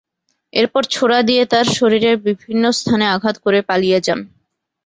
এরপর ছোরা দিয়ে তাঁর শরীরের বিভিন্ন স্থানে আঘাত করে পালিয়ে যান।